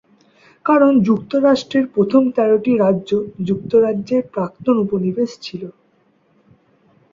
কারণ যুক্তরাষ্ট্রের প্রথম তেরটি রাজ্য যুক্তরাজ্যের প্রাক্তন উপনিবেশ ছিল।